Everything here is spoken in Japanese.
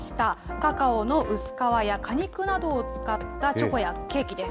カカオの薄皮や果肉などを使ったチョコやケーキです。